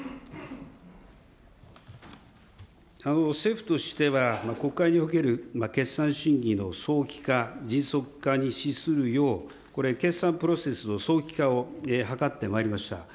政府としては、国会における決算審議の早期化、迅速化に資するよう、これ決算プロセスの早期化を図ってまいりました。